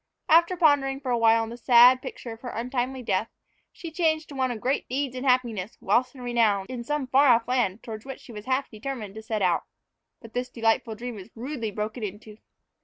After pondering for a while on the sad picture of her untimely death, she changed to one of great deeds and happiness, wealth and renown, in some far off land toward which she was half determined to set out. But this delightful dream was rudely broken into.